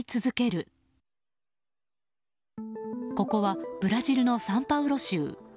ここはブラジルのサンパウロ州。